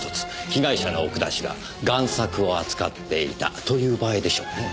被害者の奥田氏が贋作を扱っていたという場合でしょうね。